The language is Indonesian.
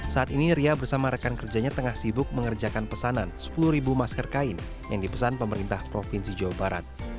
saat ini ria bersama rekan kerjanya tengah sibuk mengerjakan pesanan sepuluh masker kain yang dipesan pemerintah provinsi jawa barat